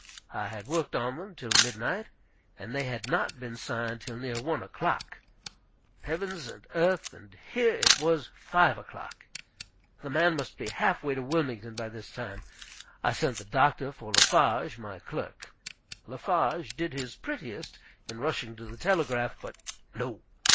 I had worked on them till midnight, and they had not been signed till near one o'clock. Heavens and earth, and here it was five o'clock! The man must be half way to Wilmington by this time. I sent the doctor for Lafarge, my clerk. Lafarge did his prettiest in rushing to the telegraph. But no!